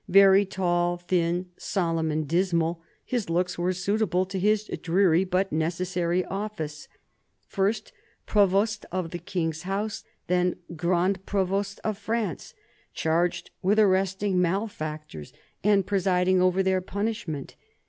Very tall, thin, solemn and dismal, his looks were suitable to his dreary but necessary office— first Provost of the King's house, then Grand Provost of France, charged with arresting malefactors and presiding over their punish ment.